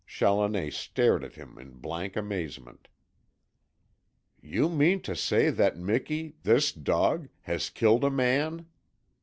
Challoner stared at him in blank amazement. "You mean to say that Miki this dog has killed a man?"